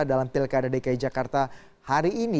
dalam pilkada dki jakarta hari ini